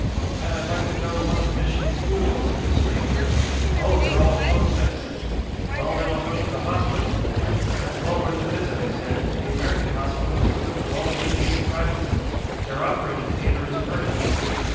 'Then I'd like to go to one of the mission schools,' said the stranger. 'Oh, they're all closed,' I said. 'Well, then I'll go to the hospital.' 'That's well worth a visit,' I said, 'the American hospital is equipped with all the latest contrivances. Their operating theatre is perfect.'